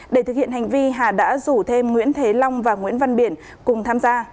để thực hiện hành vi hà đã rủ thêm nguyễn thế long và nguyễn văn biển cùng tham gia